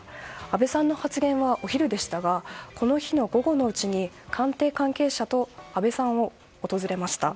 安倍さんの発言はお昼でしたがこの日の午後のうちに官邸関係者と安倍さんを訪れました。